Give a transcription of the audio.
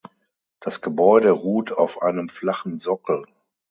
Das Gebäude ruht auf einem flachen Sockel.